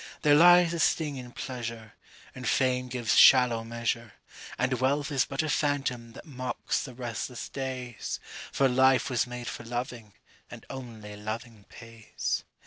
There lies a sting in pleasure, And fame gives shallow measure, And wealth is but a phantom that mocks the restless days, For life was made for loving, and only loving pays.